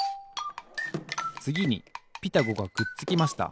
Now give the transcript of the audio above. つぎに「ピタゴ」がくっつきました。